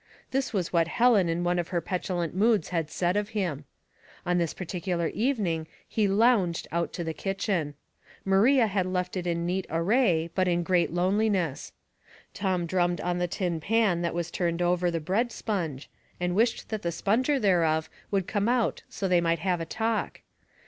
This was what Helen in one of her petulant moods had said of him. On this particular evening he *' lounged " out to the kitchen. Maria had left it in neat array but in great lone liness. Tom drummed on the tin pan that was turned over the bread sponge, and wished that the sponger thereof would come out so they might have a talk.